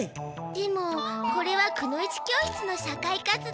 でもこれはくの一教室の社会活動だから。